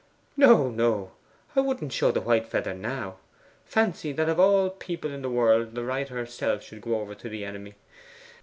'No, no; I wouldn't show the white feather now! Fancy that of all people in the world the writer herself should go over to the enemy.